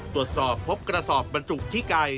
ตรวจสอบครบกระสอบบจุกที่ไก่